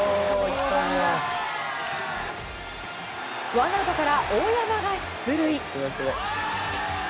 ワンアウトから大山が出塁。